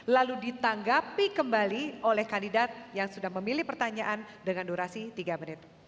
lalu ditanggapi kembali oleh kandidat yang sudah memilih pertanyaan dengan durasi tiga menit